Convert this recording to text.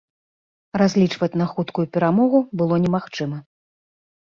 Разлічваць на хуткую перамогу было немагчыма.